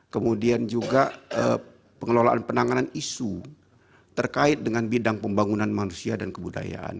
kemudian juga pengelolaan penanganan isu terkait dengan bidang pembangunan manusia dan kebudayaan